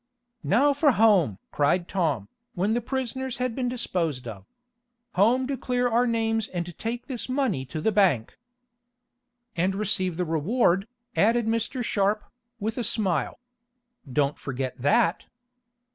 "Now for home!" cried Tom, when the prisoners had been disposed of. "Home to clear our names and take this money to the bank!" "And receive the reward," added Mr. Sharp, with a smile. "Don't forget that!"